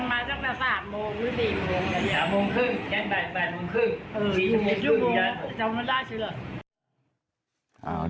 ไปเสื้อตัวเดียวมันลึมเหมือนที่กระหลัดมาให้ดู